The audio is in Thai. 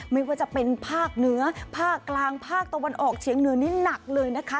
ไม่ว่าจะเป็นภาคเหนือภาคกลางภาคตะวันออกเฉียงเหนือนี่หนักเลยนะคะ